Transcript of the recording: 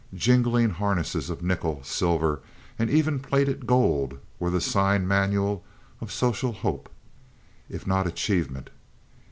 Jingling harnesses of nickel, silver, and even plated gold were the sign manual of social hope, if not of achievement.